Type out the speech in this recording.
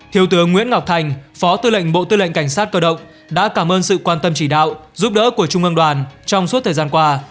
thiếu tướng nguyễn ngọc thành phó tư lệnh bộ tư lệnh cảnh sát cơ động đã cảm ơn sự quan tâm chỉ đạo giúp đỡ của trung ương đoàn trong suốt thời gian qua